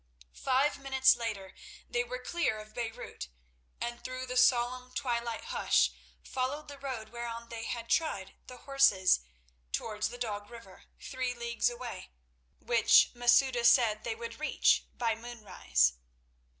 Five minutes later they were clear of Beirut, and through the solemn twilight hush, followed the road whereon they had tried the horses, towards the Dog River, three leagues away, which Masouda said they would reach by moonrise.